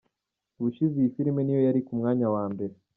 Ubushize iyi filime niyo yari ku mwanya wa mbere.